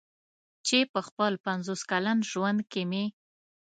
چې په خپل پنځوس کلن ژوند کې مې.